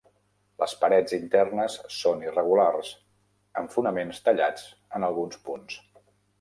Les parets internes són irregulars, amb fonaments tallats en alguns punts.